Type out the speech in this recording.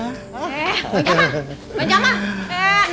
eh pak jamal pak jamal